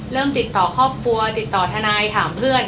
ติดต่อครอบครัวติดต่อทนายถามเพื่อน